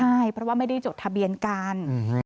ใช่เพราะว่าไม่ได้จดทะเบียนกัน